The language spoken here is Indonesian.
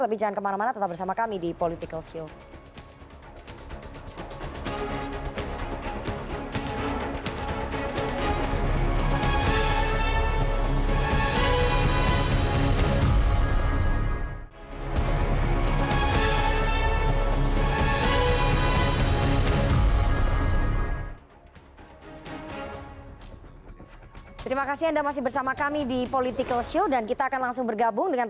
tapi jangan kemana mana tetap bersama kami di political shield